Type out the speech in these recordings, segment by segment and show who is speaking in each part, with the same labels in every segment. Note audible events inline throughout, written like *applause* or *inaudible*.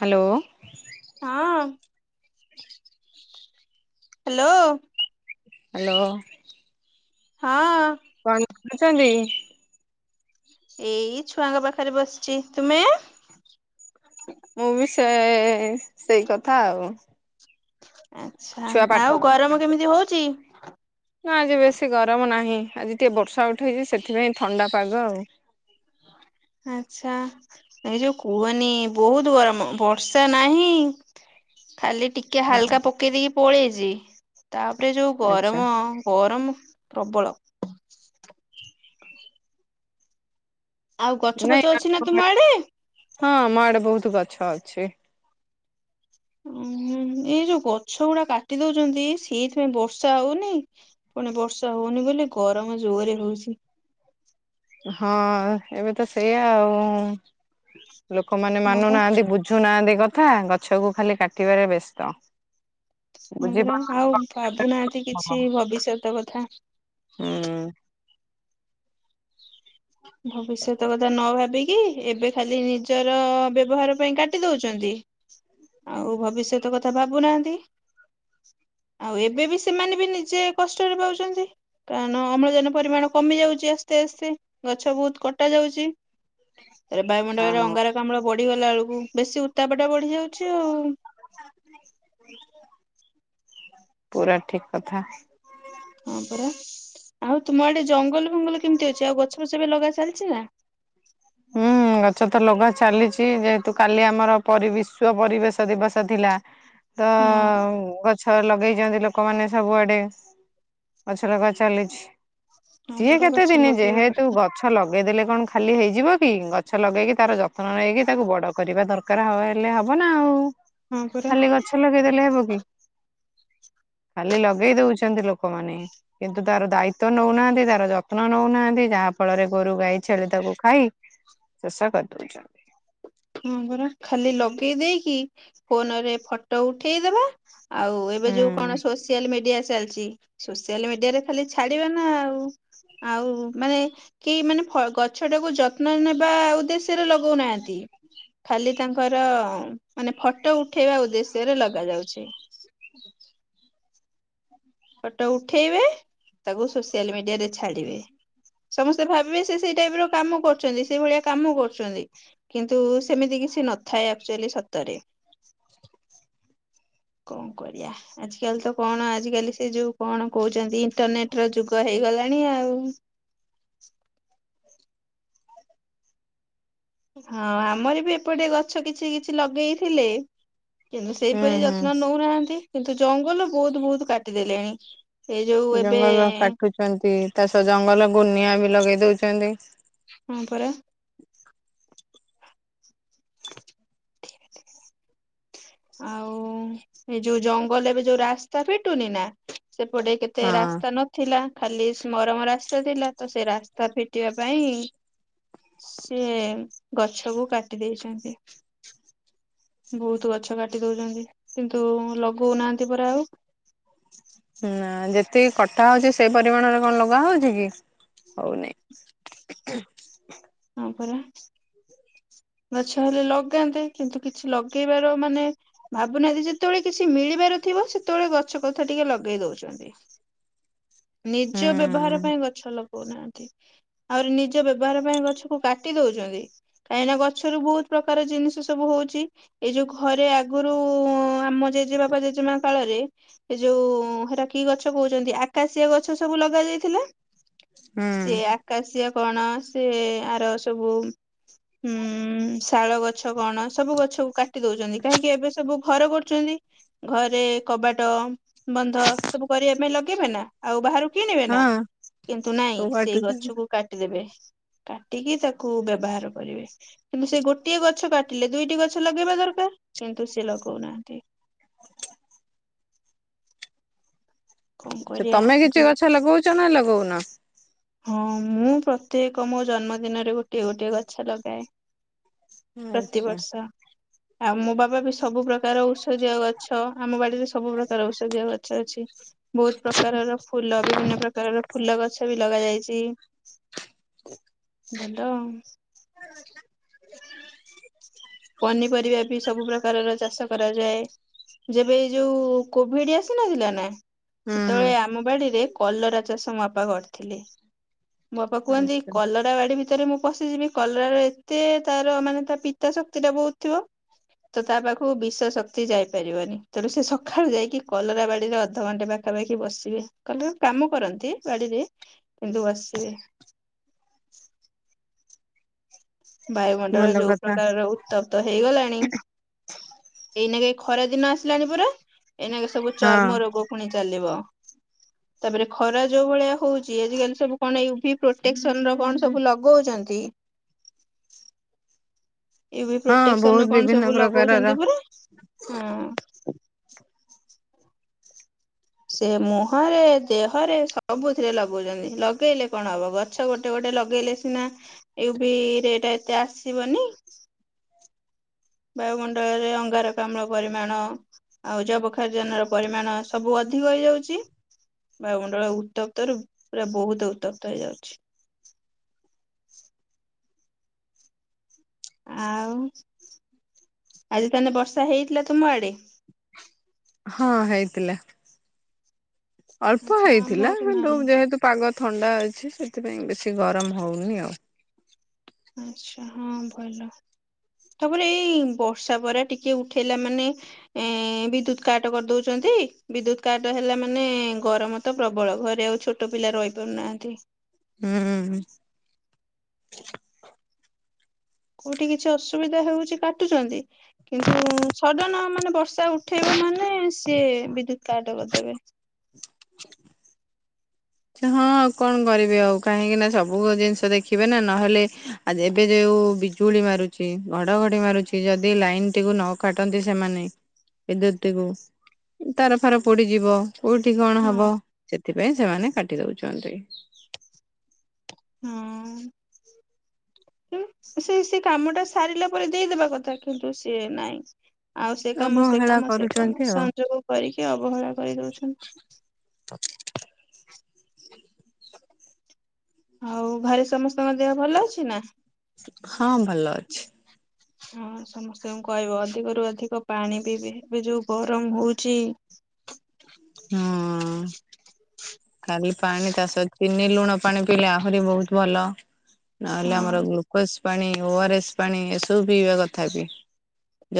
Speaker 1: Hello.
Speaker 2: ହଁ। Hello.
Speaker 1: Hello.
Speaker 2: ହଁ।
Speaker 1: କଣ କରୁଛନ୍ତି?
Speaker 2: ଏଇ ଛୁଆଙ୍କ ପାଖରେ ବସିଛି। ତୁମେ?
Speaker 1: ମୁଁ ବି ସେ ସେଇ କଥା ଆଉ।
Speaker 2: ଆଚ୍ଛା
Speaker 1: ଛୁଆ ପାଠ
Speaker 2: ଆଉ ଗରମ କେମିତି ହଉଛି?
Speaker 1: ନା ଆଜି ବେଶୀ ଗରମ ନାହିଁ। ଆଜି ଟିକେ ବର୍ଷା ଉଠେଇଛି ସେଥିପାଇଁ ଥଣ୍ଡା ପାଗ ଆଉ।
Speaker 2: ଆଛା ଏ ଯଉ କୁହନି ବହୁତ ଗରମ ବର୍ଷା ନାହିଁ। ଖାଲି ଟିକେ ହାଲକା ପକେଇ ଦେଇକି ପଳେଇଛି। ତାପରେ ଯୋଉ
Speaker 1: ଆଚ୍ଛା
Speaker 2: ଗରମ, ଗରମ ପ୍ରବଳ। ଆଉ ଗଛ
Speaker 1: ନାଇଁ
Speaker 2: ଫଛ ଅଛି ନା ତୁମ ଆଡେ?
Speaker 1: ହଁ, ଆମ ଆଡେ ବହୁତ ଗଛ ଅଛି।
Speaker 2: ଓ ହଁହୁଁ ଏଇ ଯୋଉ ଗଛ ଗୁଡା କାଟି ଦଉଛନ୍ତି, ସେଇଥିପାଇଁ ବର୍ଷା ହଉନି। ପୁଣି ବର୍ଷା ହଉନି ବୋଲି ଗରମ ଜୋରରେ ହଉଛି।
Speaker 1: ହଁ ଏବେ ତ ସେଇଆ ଆଉ, ଲୋକମାନେ
Speaker 2: ହଁ
Speaker 1: ମାନୁ
Speaker 2: ବା
Speaker 1: ନାହାନ୍ତି ବୁ ଝୁନାହାନ୍ତିି କଥା ଗଛକୁ ଖାଲି କାଟିବାରେ ବ୍ୟସ୍ତ।
Speaker 2: ପୁରା
Speaker 1: ବୁଝିପାରୁ
Speaker 2: ଆଉ ଭାବୁନାହାନ୍ତି କିଛି ଭବିଷ୍ୟତ କଥା।
Speaker 1: ହୁଁ।
Speaker 2: ଭବିଷ୍ୟତ କଥା ନ ଭାବିକି ଏବେ ଖାଲି ନିଜର ବ୍ୟବହାର ପାଇଁ କାଟିଦଉଛନ୍ତି। ଆଉ ଭବିଷ୍ୟତ କଥା ଭାବୁନାହାନ୍ତି। ଆଉ ଏବେ ବି ସେମାନେ ବି ନିଜେ କଷ୍ଟରେ ପାଉଛନ୍ତି। କାରଣ ଅମ୍ଳଜାନ ପରିମାଣ କମି ଯାଉଛି ଆସ ତେ ସେ ଗଛ ବହୁତ କଟା ଯାଉଛି ଏରେ ବାୟୁମଣ୍ଡଳରେ
Speaker 1: ହଁ
Speaker 2: ଅଙ୍ଗାର କାମଳ ବଢିଗଲା ବେଳକୁ ବେଶୀ ଉତ୍ତାପ ଟା ବଢ଼ିଯାଉଛି ଆଉ।
Speaker 1: ପୁରା ଠିକ କଥା।
Speaker 2: ହଁ ପରା ଆଉ ତୁମ ଆଡେ ଜଙ୍ଗଲ ଫଙ୍ଗଲ କେମିତି ଅଛି ଆଉ ଗଛ ଫଛ ବି ଲଗା ଚାଲିଛି ନା?
Speaker 1: ହୁଁ। ଗଛ ତ ଲଗା ଚାଲିଛି ଯେହେତୁ କାଲି ଆମର ପରୀ ବିଶ୍ୱ ପରିବେଶ ଦିବସ ଥିଲା। ତ
Speaker 2: ହଁ
Speaker 1: ଗ ଛ ଲଗେଇଛନ୍ତି ଲୋକମାନେ ସବୁଆଡେ ଗଛ ଲଗା ଚାଲିଛି।
Speaker 2: ହଁ
Speaker 1: ସିଏ
Speaker 2: ପରା
Speaker 1: କେତେ
Speaker 2: ଗଛ
Speaker 1: ଦିନ
Speaker 2: ଲଗେଇବା
Speaker 1: ଯେହେତୁ
Speaker 2: କଥା
Speaker 1: ଗଛ ଲଗେଇଦେଲେ କଣ ଖାଲି ହେଇଯିବ। ଗଛ ଲଗେଇକି ତାର ଯତ୍ନ ନେଇକି ତାକୁ ବଡ କରିବା ଦରକାର ହଉ ହେଲେ ହବନା ଆଉ।
Speaker 2: ହଁ ପରା।
Speaker 1: ଖାଲି ଗଛ ଲଗେଇଦେଲେ ହେବ କି? ଖାଲି ଲଗେଇ ଦଉଛନ୍ତି ଲୋକମାନେ। କିନ୍ତୁ ତାର ଦାୟିତ୍ୱ ନଉନାହାନ୍ତି ତାର ଯତ୍ନ ନଉନାହାନ୍ତି ଯାହା ଫଳରେ ଗୋରୁ ଗାଈ ଛେଳି ତାକୁ ଖାଇ ଶେଷ କରିଦେଉଛନ୍ତି।
Speaker 2: ହଁ ପରା ଖାଲି ଲଗେଇ ଦେଇକି ଫୋନ ରେ ଫଟୋ ଉଠେଇଦବା। ଆଉ ଏବେ
Speaker 1: ହୁଁ
Speaker 2: ଯୋଉ କଣ ସୋସିଆଲ ମିଡିଆ ଚାଲିଛି। ସୋସିଆଲ ମିଡିଆରେ ଖାଲି ଛାଡିବ ନା ଆଉ। ଆଉ ମାନେ କେହି ମାନେ ଫ ଗଛ ଟାକୁ ଯତ୍ନ ନେବା ଉଦ୍ଦେଶ୍ୟ ସେରେ ଲଗଉନାହାନ୍ତି। ଖାଲି ତାଙ୍କର ମାନେ ଫଟୋ ଉଠେଇବା ଉଦ୍ଦେଶ୍ୟରେ ଲଗା ଯାଉଛି। ଫଟୋ ଉଠେଇବେ ତାକୁ ସୋସିଆଲ ମିଡିଆ ରେ ଛାଡିବେ। ସମସ୍ତେ ଭାବିବେ ସେ ସେଇ ଟାଇପ ର କାମ କରୁଛନ୍ତି ସେଇ ଭଳିଆ କାମ କରୁଛନ୍ତି। କିନ୍ତୁ ସେମିତି କିଛି ନଥାଏ ଆକ୍ଚୁଆଲି ସତରେ। କଣ କରିବାଆ। ଆଜିକାଲି ତ କଣ ଆଜିକାଲି ସେ ଯୋଉ କଣ କହୁଛନ୍ତି ଇଣ୍ଟରନେଟ ର ଯୁଗ ହେଇଗଲାଣି ଆଉ। ହଁ ଆମର ବି ଏପଟେ ଗଛ କିଛି କିଛି ଲଗେଇଥିଲେ। କିନ୍ତୁ
Speaker 1: ହୁଁ
Speaker 2: ସେଇପରି
Speaker 1: ହୁଁ।
Speaker 2: ଯତ୍ନ ନଉନାହାନ୍ତି କିନ୍ତୁ ଜଙ୍ଗଲ ବହୁତ ବହୁତ କାଟିଦେଲେଣି। ଏ ଯୋଉ ଏବେ
Speaker 1: ଛନ୍ତି ତା ସହ ଜଙ୍ଗଲ ଗୁନିଆ ବି ଲଗେଇ ଦଉଛନ୍ତି।
Speaker 2: ହଁ ପରା। ଆଉ ଏଇ ଯୋଉ ଜଙ୍ଗଲ ଏବେ ଯୋଉ ରାସ୍ତା ଫିଟୁନି ନା। ସେପଟେ କେତେ ରାସ୍ତା
Speaker 1: ହଁ
Speaker 2: ନ ଥିଲା ଖାଲି ମରମ ରାସ୍ତା ଥିଲା ତ ସେ ରାସ୍ତା ଫିଟିବା ପାଇଁ ସିଏ ଗଛକୁ କାଟି ଦେଇେଇଛନ୍ତି। ବହୁତ ଗଛ କାଟି ଦଉଛନ୍ତି କିନ୍ତୁ ଲଗଉନାହାନ୍ତି ପରା ଆଉ।
Speaker 1: ନା ଯେତିକି କଟା ହଉଛି ସେଇ ପରିମାଣରେ କଣ ଲଗା ହଉଛି କି ହଉନି। ହ *unintelligible*
Speaker 2: ହଁ ପରା। ଗଛ ହେଲେ ଲଗାନ୍ତେ କିନ୍ତୁ କିଛି ଲଗେଇବାର ମାନେ ଭାବୁନାହାନ୍ତି ଯେତେବେଳେ କିଛି ମିଳିବାର ଥିବ ସେତେବେଳେ ଗଛ କଥା ଟିକେ ଲଗେଇ ଦଉଛନ୍ତି। ନିଜ
Speaker 1: ହୁଁ
Speaker 2: ବ୍ୟବହାର ପାଇଁ ଗଛ ଲଗଉନାହାନ୍ତି। ଆହୁରି ନିଜ ବ୍ୟବହାର ପାଇଁ ଗଛକୁ କାଟି ଦଉଛନ୍ତି। କାହିଁକିନା ଗଛରୁ ବହୁତ ପ୍ରକାର ଜିନିଷ ସବୁ ହଉଛି। ଏଇ ଯୋଉ ଘରେ ଆଗରୁ ଆମ ଜେଜେବାପା ଜେଜେମା କାଳରେ ଏ ଯୋଉ ହେରା କିି ଗଛ କହୁଛନ୍ତି ଆକାଶିଆ ଗଛ ସବୁ ଲଗା ଯାଇଥିଲା
Speaker 1: ହୁଁ
Speaker 2: ସେ ଆକାଶିଆ କଣ ସେ ଆର ସବୁ ହୁଁ ଶାଳ ଗଛ କଣ ସବୁ ଗଛ କାଟି ଦଉଛନ୍ତି କାହିଁକି ଏବେ ସବୁ ଘର କରୁଛନ୍ତି। ଘରେ କବାଟ ବନ୍ଧ ସବୁ କରିବା ପାଇଁ ଲଗେଇବେ ନା? ଆଉ ବାହାରୁ କିଣିବେ ନା
Speaker 1: ହଁ
Speaker 2: କିନ୍ତୁ ନାଇଁ
Speaker 1: ସବୁ
Speaker 2: ସେଇ
Speaker 1: କାଟୁଛନ୍ତି।
Speaker 2: ଗଛକୁ କାଟିଦେବେ। କାଟିକି ତାକୁ ବ୍ୟବହାର କରିବେ। କିନ୍ତୁ ସେ ଗୋଟିଏ ଗଛ କାଟିଲେ ଦୁଇଟି ଗଛ ଲଗେଇବା ଦରକାର କିନ୍ତୁ ସେ ଲଗଉନାହାନ୍ତି? କଣ
Speaker 1: ଆଛା
Speaker 2: କରିବା
Speaker 1: ତମେ କିଛି
Speaker 2: ବହୁତ
Speaker 1: ଗଛ ଲଗଉଛ ନା ଲଗଉନ?
Speaker 2: ହଁ ମୁଁ ପ୍ରତ୍ୟେକ ମୋ ଜନ୍ମଦିନରେ ଗୋଟିଏ ଗୋଟିଏ ଗଛ ଲଗାଏ।
Speaker 1: ଆଚ୍ଛା।
Speaker 2: ପ୍ରତିବର୍ଷ ଆଉ ମୋ ବାବା ବି ସବୁ ପ୍ରକାର ଔଷଧୀୟ ଗଛ ଆମ ବାଡିରେ ସବୁ ପ୍ରକାର ଔଷଧୀୟ ଗଛ ଅଛି ବହୁତ ପ୍ରକାରର ଫୁଲ ବିଭିନ୍ନ ପ୍ରକାରର ଫୁଲ ଗଛ ବି ଲଗା ଯାଇଛି।
Speaker 1: ଓ! *unintelligible*
Speaker 2: ଭଲ ଆଉ
Speaker 1: *inaudible*
Speaker 2: ପନିପରିବା ବି ସବୁ ପ୍ରକାରର ଚାଷ କର କରାଯାଏ ଯେବେ ଏଇ ଯୋଉ କୋଭିଡ ଆସିନାଥିଲା ନା?
Speaker 1: ହୁଁ ହୁଁ
Speaker 2: ସେତେବେଳେ ଆମ ବାଡ଼ିରେ କଲରା ଚାଷ ବାପା କରିଥିଲେ। ମୋ ବାପା କୁହନ୍ତି
Speaker 1: ଆଚ୍ଛା
Speaker 2: କଲର କଡ଼ା ବାଡି ଭିତରେ ମୁଁ ପଶିଯିବି କଲରାର ଏତେ ତାର ମାନେ ତା ପିତା ଶକ୍ତି ଟା ବହୁତ ଥିବ ତ ତା ପାଖକୁ ବିଷ ଶକ୍ତି ଯାଇପାରିବନି ତେଣୁ ସେ ସକାଳୁ ଯାଇକି କଲରା ବାଡିରେ ଅଧଘଣ୍ଟେ ପାଖ ପାଖାପାଖି ବସିବେ କହିଲେ କାମ କରନ୍ତି ବାଡିରେ କିନ୍ତୁ ବସିବେ ବାୟୁମଣ୍ଡଳ
Speaker 1: ଭଲ
Speaker 2: ଯୋଉ
Speaker 1: କଥା
Speaker 2: ପ୍ରକାର ରହୁ ତପ ତ ହେଇଗଲାଣି ଏଇନା କେ ଏ ଖରା ଦିନ ଆସିଲାଣି ପୁରା ଏଇନା କେ ସବୁ ଚର୍ମ ରୋଗ ପୁଣି ଚାଲିବ।
Speaker 1: ହ।
Speaker 2: ତାପରେ ଖରା ଯୋଉ ଭଳିଆ ହଉଛି ଆଜିକାଲି ସବୁ କଣ ୟଭି ପ୍ରୋଟେକ୍ସନ ର କଣ ସବୁ ଲଗଉଛନ୍ତି। ୟୁବି
Speaker 1: ହଁ
Speaker 2: ପ୍ରୋଟେକ୍ସନ
Speaker 1: ବହୁତ
Speaker 2: କଣ
Speaker 1: ବିଭିନ୍ନ
Speaker 2: ସବୁ
Speaker 1: ପ୍ରକାରର
Speaker 2: ଲଗାଉଛନ୍ତି ପରା ହଁ। ସେ ମୁହଁରେ ଦେହରେ ସବୁଥିରେ ଲଗୁଛନ୍ତି ଲଗେଇଲେ କଣ ହବ ଘର? ଗଛ ଗୋଟେ ଗୋଟେ ଲଗେଇଲେ ସିନା ଏ ବି ରେଟ ଏତେ ଆସିବନି। ବାୟୁମଣ୍ଡଳରେ ଅଙ୍ଗାରକାମ୍ଳ ପରିମାଣ ଆଉ ଜବଖାର୍ଜନ ର ପରିମାଣ ସବୁ ଅଧିକ ହେଇଯାଉଛି। ବାମଣ୍ଡଳ ଉତ୍ତପ୍ତ ର ପୁରା ବହୁତ ଉତ୍ତପ୍ତ ହେଇଯାଉଛି। ଆଉ ଆଜି ତାଲେ ବର୍ଷା ହେଇଥିଲା ତମ ଆଡେ?
Speaker 1: ହଁ ହେଇଥିଲା ଅଳ୍ପ
Speaker 2: ଆଚ୍ଛା
Speaker 1: ହେଇଥିଲା
Speaker 2: ଆମର
Speaker 1: କିନ୍ତୁ
Speaker 2: ନାହିଁ
Speaker 1: ଯେହେତୁ ପାଗ ଥଣ୍ଡା ଅଛି ସେଥିପାଇଁ ବେଶୀ ଗରମ ହେଉନି ଆଉ।
Speaker 2: ଆଛା ହଁ ଭଲ। ତାପରେ ଏଇ ବର୍ଷା ପରା ଟିକେ ଉଠେଇଲା ମାନେ ଏ ବିଦ୍ୟୁତ କାଟ କରିଦଉଛନ୍ତି ବିଦ୍ୟୁତ କାଟ ହେଲା ମାନେ ଗରମ ତ ପ୍ରବଳ ଘରେ ଆଉ ଛୋଟ ଛୋଟ ପିଲା ରହିପାରୁନାହାନ୍ତି।
Speaker 1: ହୁଁ।
Speaker 2: କୋଉଠି କିଛି ଅସୁବିଧା ହଉଛି କାଟୁଛନ୍ତି। କିନ୍ତୁ ସଡ଼ନ ମାନେ ବର୍ଷା ଉଠେଇବ ମାନେ ସିଏ ବିଦ୍ୟୁତ କାଟ କରିଦେବେ।
Speaker 1: ହ। *unintelligible* ଯେ ହଁ କଣ କରିବି ଆଉ କାହିଁକି ନା ସବୁ ଜିନିଷ ଦେଖିବେ ନା ନହେଲେ ଆଜ୍ ଏବେ ଯୋଉ ବିଜୁଳି ମାରୁଚି ଘଡ଼ଘଡ଼ି ମାରୁଚି ଯଦି ଲାଇନ୍ ଟିକୁ ନକାଟନ୍ତି ସେମାନେ ଇଦୁତିକୁ ଉଁ ତାର ଫାର ପୋଡି଼ଯିବ। କୋଉଠି କଣ
Speaker 2: ହଁ
Speaker 1: ହବ ସେଥିପାଇଁ ସେମାନେ କାଟି ଦଉଚନ୍ତି।
Speaker 2: ହଁ। ଇ ଏ ସେଇ ସେଇ କାମଟା ସାରିଲା ପରେ ଦେଇଦବା କଥା କିନ୍ତୁ ସିଏ ନାଇଁ। ଆଉ ସେ କାମ ସେ
Speaker 1: ଅବହେଳା
Speaker 2: କାମ ସେ
Speaker 1: କରୁଛନ୍ତି
Speaker 2: କାମ
Speaker 1: ଆଉ।
Speaker 2: ସଂଯୋଗ କରିକି ଅବହେଳା କରିଦୋଉଛନ୍ତି।
Speaker 1: ତ କି
Speaker 2: ଆଉ ଘରେ ସମସ୍ତଙ୍କ ଦେହ ଭଲ ଅଛି ନାଁ?
Speaker 1: ହଁ ଭଲ ଅଛି।
Speaker 2: ହଁ ସମସ୍ତଙ୍କୁ କହିବ ଅଧିକରୁୁ ଅଧିକ ପାଣି ପିଇବେ ଏବେ ଯୋଉ ଗରମ ହଉଚି।
Speaker 1: ହୁଁ। କାଲି ପାଣି ଚାଷ ଚିନି ଲୁଣ ପାଣି ପିଇଲେ ଆହୁରି ବୋହୁତ ଭଲ ନହେଲେ ଆମର
Speaker 2: ହଁ
Speaker 1: ଗ୍ଲୁ କ୍ୱାସ୍ ପାଣି ଓ ଆର ଏସ୍ ପାଣି ଏସବୁ ପିଇବା କଥା ବି।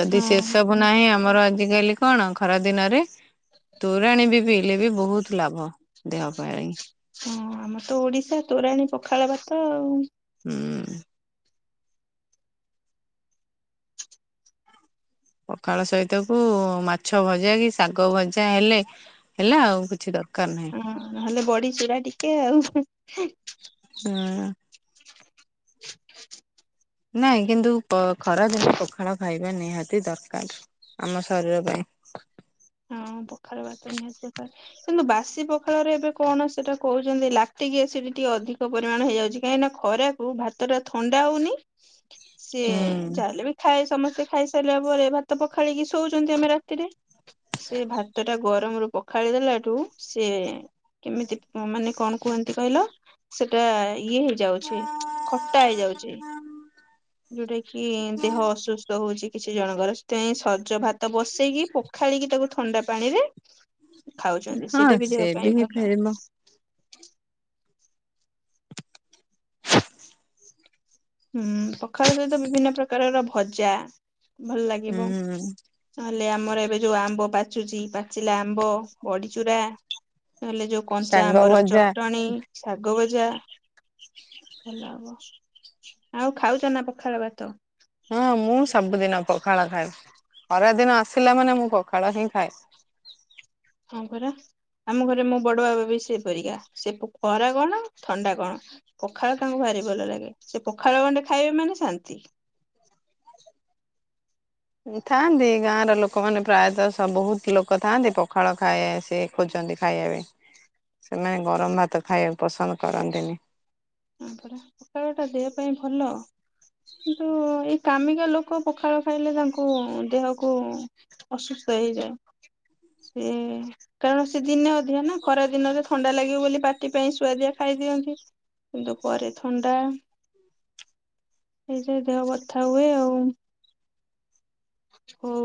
Speaker 1: ଯଦି ସେ ସବୁ
Speaker 2: ବିଭିନ୍ନ
Speaker 1: ନାହିଁ
Speaker 2: ପ୍ରକାର
Speaker 1: ଆମର ଆଜକାଲି କଣ ଖରା ଦିନରେ ତୋରାଣୀ ବି ପିଇଲେ ବି ବୋହୁତ ଲାଭ ଦେହ ପାଇଁ।
Speaker 2: ଅଁ ଆମର ତ ଓଡ଼ିଶା ତୋରାଣୀ ପଖାଳ ଭାତ ଆଉ।
Speaker 1: ହୁଁ। ପଖାଳ ସହିତକୁ ମାଛ ଭଜା କି ଶାଗ ଭଜା ହେଲେ ହେଲା ଆଉ କିଛି ଦର୍
Speaker 2: ଅଁ ନହେଲେ ବଡ଼ି ଚୁରା ଟିକେ ଆଉ।
Speaker 1: ହୁଁ। ନାଇଁ କିନ୍ତୁ ପ ଖରା ଦିନେ ପଖାଳ ଖାଇବା ନିହାତି ଦରକାର ଆମ ଶରୀର ପାଇଁ।
Speaker 2: ହଁ ପଖାଳ ଭାତ ନିହାତି ଦରକାର। କିନ୍ତୁ ବାସି ପଖାଳରେ ଏବେ କଣ ସେଟା କହୁଚନ୍ତି ଲାକ୍ଟିକ୍ ଏସିଡ଼୍ ଟିକେ ଅଧିକ ପରିମାଣ ହେଇଯାଉଚି କାହିଁକି ନା ଖରାକୁ ଭାତଟା ଥଣ୍ଡା ହଉନେଇ। ସିଏ
Speaker 1: ହୁଁ।
Speaker 2: ଯାହେଲେ ବି ଖାଇଆ ସମସ୍ତେ ଖାଇସାଇଲା ପରେ ଭାତ ପଖାଳିକି ଶୋଉଚନ୍ତି ଆମେ ରାତିରେ। ସେ ଭାତଟା ଗରମରୁୁ ପଖାଳି ଦେଲାଠୁ ସିଏ କେମିତି ମାନେ କଣ କୁହନ୍ତି କହିଲ ସେଟା ଇଏ ହେଇଯାଉଛି ଖଟା ହେଇଯାଉଚି। ଯୋଉଟା କି ଦେହ ଅସୁସ୍ଥ ହଉଚି କିଛି ଜଣଙ୍କର ସେଥିପାଇଁ ସଜ ଭାତ ବସେଇକି ପ ଏତାକୁ ଥଣ୍ଡା ପାଣିରେ ଖାଉଚନ୍ତି
Speaker 1: ହଁ
Speaker 2: ସେଇଟା ବି
Speaker 1: ସେ
Speaker 2: ଦେହ ପାଇଁ ଭଲ।
Speaker 1: ହେଇପାରିବ
Speaker 2: ହୁଁ ପଖାଳ ସହିତ ବିଭିନ୍ନ ପ୍ରକାରର ଭଜା ଭଲ
Speaker 1: ହୁଁ
Speaker 2: ଲାଗିବ। ନହେଲେ ଆମର ଏବେ ଯୋଉ ଆମ୍ବ ପାଚୁଚି ପାଚିଲା ଆମ୍ବ ବଡ଼ି ଚୁରା। ତାହେଲେ ଯୋଉ କଞ୍ଚା
Speaker 1: ଶାଗ
Speaker 2: ଆମ୍ବର
Speaker 1: ଭଜା
Speaker 2: ଚଟଣି ଶାଗ ଭଜା ଭଲ ହବ। ଆଉ ଖାଉଚ ନା ପଖାଳ ଭାତ?
Speaker 1: ହଁ ମୁଁ ସବୁଦିନ ପଖାଳ ଖାଏ ଖରା ଦିନ ଆସିଲା ମାନେ ମୁଁ ପଖାଳ ହିଁ ଖାଏ।
Speaker 2: ହଁ ପରା ଆମ ଘରେ ମୋ ବଡ଼ ବାବା ବି ସେଇ ପରିକା ସେ ପ ଖରା କଣ ଥଣ୍ଡା କଣ ପଖାଳ ତାଙ୍କୁ ଭାରି ଭଲ ଲାଗେ ସେ ପଖାଳ ଗଣ୍ଡେ ଖାଇବେ ମାନେ ଶାନ୍ତି।
Speaker 1: ଥାଆନ୍ତି ଗାଁର ଲୋକମାନେ ପ୍ରାୟତଃ ସବୁ ବୋହୁତ ଲୋକ ଥାଆନ୍ତି ପଖାଳ ଖାଏ ସେ ଖୋଜନ୍ତି ଖାଇବା ପାଇଁ ସେମାନେ ଗରମ ଭାତ ଖାଇଆଉ ପସନ୍ଦ କରନ୍ତିନି।
Speaker 2: ହଁ ପରା ପଖଳଟା ଦେହ ପାଇଁ ଭଲ। କିନ୍ତୁ ଏଇ କାମିକା ଲୋକ ପଖାଳ ଖାଇଲେ ତାଙ୍କୁ ଦେହକୁ ଅସୁସ୍ଥ ହେଇଯାଏ ସେ କାରଣ ସେ ଦିନେ ଅ ଧିଆ ନା ଖରା ଦିନରେ ଥଣ୍ଡା ଲାଗିବ ବୋଲି ପାଟି ପାଇଁ ସୁୁଆଦିଆ ଖାଇଦିଅନ୍ତି। କିନ୍ତୁ ପରେ ଥଣ୍ଡା ଏଇଜେ ଦେହ ବଥା ହୁଏ ଆଉ। ହଉ।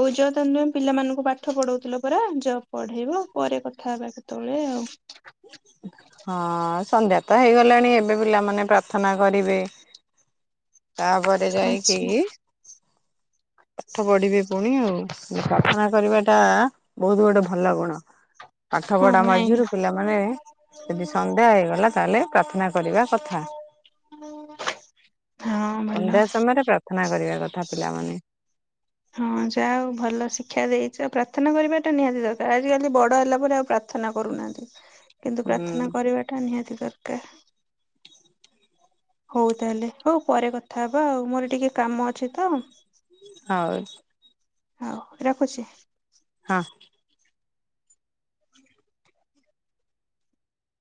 Speaker 2: ହଉ ଜ ତାନେ ପିଲାମାନଙ୍କୁ ପାଠ ପଢଉଥିଲ ପରା ଜ ପଢେଇବ ପରେ କଥା ହେବା କେତେବେଳେ ଆଉ।
Speaker 1: ହଁ ହଁ ସନ୍ଧ୍ୟା ତ ହେଇଗଲାଣି ଏବେ ପିଲାମାନେ ପ୍ରାର୍ଥନା କରିବେ। ତାପରେ ଯାଇକି
Speaker 2: ଆଚ୍ଛା
Speaker 1: ପାଠ ପଢିବେ ପୁଣି ଆଉ ପ୍ରାର୍ଥନା କରିବା ଟା ବହୁତ ଗୋଟେ ଭଲ ଗୁଣ ପାଠ
Speaker 2: ହଁ
Speaker 1: ପଢା
Speaker 2: ନାଇଁ
Speaker 1: ମଝିରୁ ପିଲାମାନେ ଯଦି ସନ୍ଧ୍ୟା ହେଇଗଲା ତାହେଲେ ପ୍ରାର୍ଥନା କରିବା କଥା।
Speaker 2: *inaudible* ହଁ
Speaker 1: ସନ୍ଧ୍ୟା
Speaker 2: ଭଲ।
Speaker 1: ସମୟରେ ପ୍ରାର୍ଥନା କରିବା କଥା ପିଲାମାନେ।
Speaker 2: ହଁ ଯା ହଉ ଭଲ ଶିକ୍ଷା ଦେଇଚ ପ୍ରାର୍ଥନା କରିବାଟା ନିହାତି ଦରକାର ଆଜିିକାଲି ବଡ ହେଲା ପରେ ଆଉ ପ୍ରା ପ୍ରାର୍ଥନା କରୁନାହାନ୍ତି କିନ୍ତୁ ପ୍ରାର୍ଥନା
Speaker 1: ହୁଁ।
Speaker 2: କରିବାଟା ନିହାତି ଦରକାର। ହଉ ତାହେଲେ ହଉ ପରେ କଥା ହବା ଆଉ ମୋର ଟିକେ କାମ ଅଛି ତ।
Speaker 1: ହଉ।
Speaker 2: ହଉ ରଖୁଛି।
Speaker 1: ହଁ।